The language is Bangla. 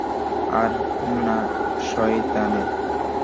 আর না শয়তানের।